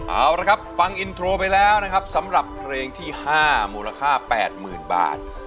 เอาละครับฟังอินโทรไปแล้วนะครับสำหรับเพลงที่๕มูลค่า๘๐๐๐บาท